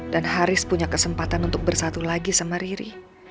dan haris punya kesempatan untuk bersatu lagi sama riri